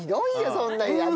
そんなん。